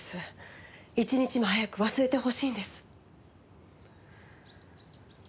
一日も早く忘れてほしいんです。